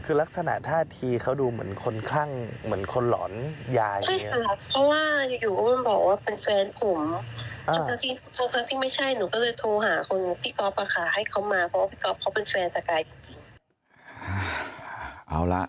คือลักษณะท่าทีเขาดูเหมือนค่อนข้างเหมือนคนหลอนยาย